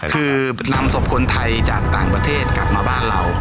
คือนำศพคนไทยจากต่างประเทศกลับมาบ้านเรา